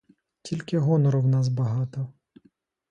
Тільки гонору в нас багато.